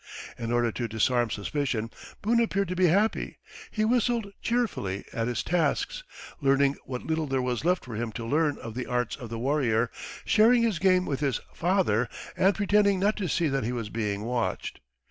In order to disarm suspicion, Boone appeared to be happy. He whistled cheerfully at his tasks, learning what little there was left for him to learn of the arts of the warrior, sharing his game with his "father," and pretending not to see that he was being watched.